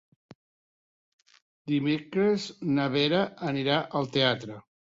Dimecres na Vera anirà al teatre.